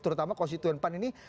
terutama konstituen pan ini